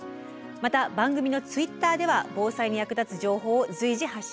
また番組のＴｗｉｔｔｅｒでは防災に役立つ情報を随時発信しています。